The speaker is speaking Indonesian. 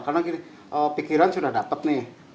karena pikiran sudah dapat nih